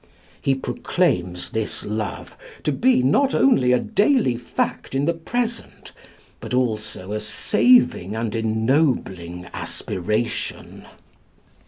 He proclaims this love to be not only a daily fact in the present, but also a saving and ennobling aspiration.